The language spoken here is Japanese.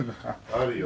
あるよ。